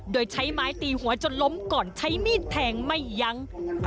โดยใช้ไม้ตีหัวจนล้มก่อนใช้มีดแทงไม่ยั้ง